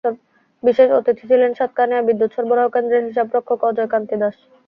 বিশেষ অতিথি ছিলেন সাতকানিয়া বিদ্যুৎ সরবরাহ কেন্দ্রের হিসাবরক্ষক অজয় কান্তি দাশ।